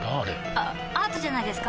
あアートじゃないですか？